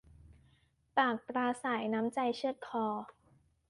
ปากปราศรัย น้ำใจเชือดคอ